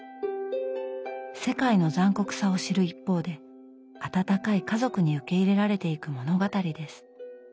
世界の残酷さを知る一方で温かい家族に受け入れられていく物語です。